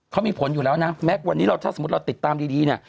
เขามีผลอยู่แล้วนะแม้วันนี้เราถ้าสมมุติเราติดตามดีเนี่ย